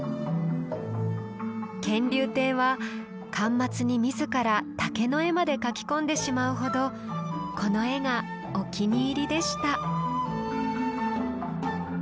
乾隆帝は巻末に自ら竹の絵まで描き込んでしまうほどこの絵がお気に入りでした。